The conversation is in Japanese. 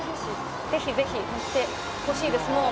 「ぜひぜひ乗ってほしいです」